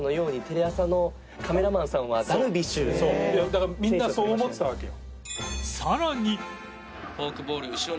だからみんなそう思ったわけよ。